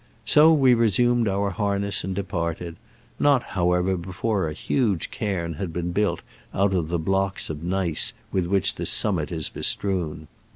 So we resumed our harness and departed ; not, however, before a huge cairn had been built out of the blocks of gneiss with which the summit is bestrewn.